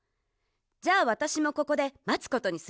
じゃあわたしもここでまつことにするわね。